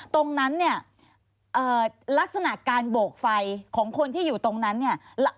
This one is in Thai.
ตรงนั้นเนี่ยลักษณะการโบกไฟของคนที่อยู่ตรงนั้นเนี่ย